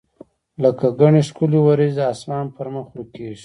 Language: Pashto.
لکه ګڼي ښکلي وریځي د اسمان پر مخ ورکیږي